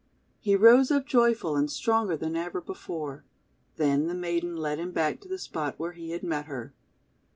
He rose up joyful, and stronger than ever before. Then the maiden led him back to the spot where he had met her.